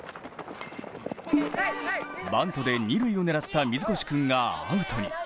バントで二塁を狙った水越君がアウトに。